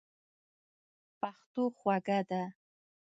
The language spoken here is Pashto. پښتو خوږه ده.